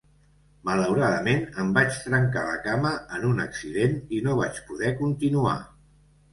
Malauradament em vaig trencar la cama en un accident i no vaig poder continuar.